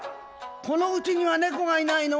この家には猫が居ないの？